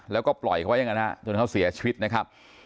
แล้วก็ปล่อยเขาไว้อย่างนั้นจนเขาเสียชีวิตนะครับ